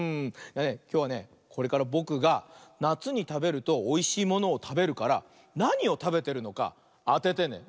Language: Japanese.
きょうはねこれからぼくがなつにたべるとおいしいものをたべるからなにをたべてるのかあててね。